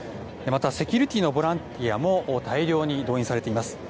また、セキュリティーのボランティアも大量に動員されています。